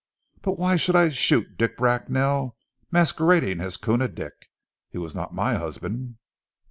"But why should I shoot Dick Bracknell masquerading as Koona Dick? He was not my husband?"